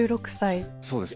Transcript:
そうです。